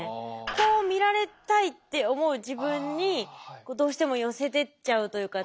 こう見られたいって思う自分にどうしても寄せてっちゃうというか。